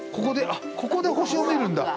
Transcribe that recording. ここで星を見るんだ。